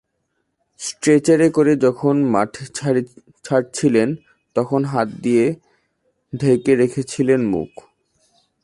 স্ট্রেচারে করে যখন মাঠ ছাড়ছিলেন, তখন হাত দিয়ে ঢেকে রেখেছিলেন মুখ।